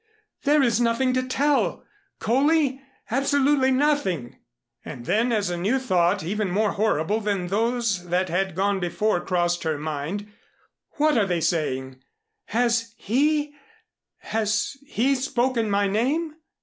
There is nothing to tell Coley absolutely nothing " And then as a new thought even more horrible than those that had gone before crossed her mind, "What are they saying? Has he has he spoken my name?